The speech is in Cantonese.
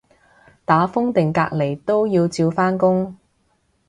打風定隔離都要照返工